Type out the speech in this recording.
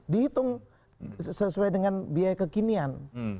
dihitung sesuai dengan biaya kekinian